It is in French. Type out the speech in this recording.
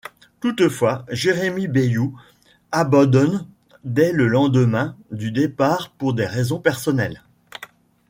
Toutefois, Jérémie Beyou abandonne dès le lendemain du départ pour des raisons personnelles.